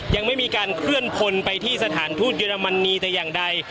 ยังไม่มีการเคลื่อนพลไปที่สถานทูตเยอรมนีแต่อย่างใด